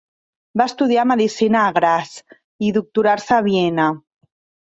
Va estudiar medicina a Graz i doctorar-se a Viena.